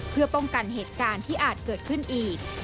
เพื่อป้องกันเหตุการณ์ที่อาจเกิดขึ้นอีก